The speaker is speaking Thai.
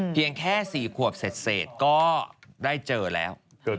เพียงแค่สี่ขวบเศษก็ได้เจอแล้ว